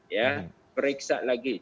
ya periksa lagi